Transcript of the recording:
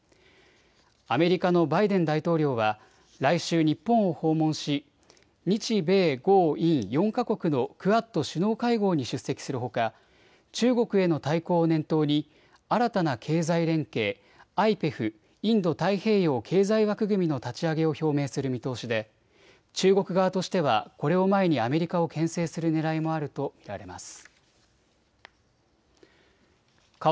アメリカのバイデン大統領は来週、日本を訪問し日米豪印４か国のクアッド首脳会合に出席するほか中国への対抗を念頭に新たな経済連携、ＩＰＥＦ・インド太平洋経済枠組みの立ち上げを表明する見通しで中国側としてはこれを前にアメリカをけん制するねらいもあると見られます。